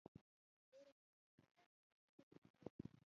ډېره خوشخطه او ثابته نسخه وه.